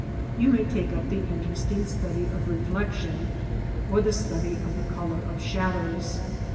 You may take up the interesting study of reflection or the study of the colour of shadows.